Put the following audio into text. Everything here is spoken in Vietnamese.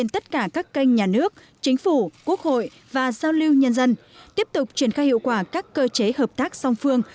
tất cả các kênh nhà nước chính phủ quốc hội và giao lưu nhân dân tiếp tục triển khai hiệu quả các cơ chế hợp tác song phương